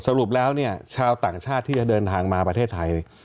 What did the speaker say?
สรุปแล้วเนี่ยชาวต่างชาติที่จะเดินทางมาประเทศไทย